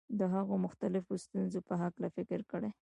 د هغو مختلفو ستونزو په هکله فکر کړی.